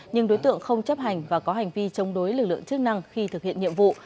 nhưng đối tượng không chấp hành và có hành vi chống đối lực lượng chức năng khi thực hiện nhiệm vụ